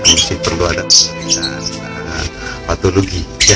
mesti perlu ada patologi